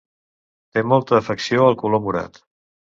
Té molta afecció al color morat.